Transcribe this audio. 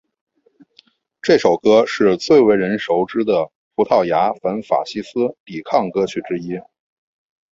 这首歌是最为人熟知的葡萄牙反法西斯抵抗歌曲之一。